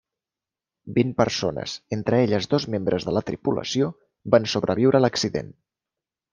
Vint persones, entre elles dos membres de la tripulació, van sobreviure a l'accident.